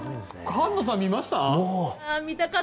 菅野さん、見ました？